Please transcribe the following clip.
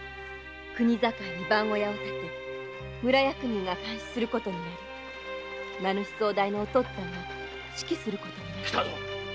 国境に番小屋を建て村役人が監視することになり名主総代の父が指揮することになって。